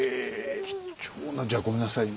え貴重なじゃあごめんなさい。